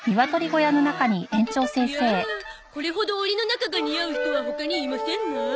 いやあこれほど檻の中が似合う人は他にいませんなあ。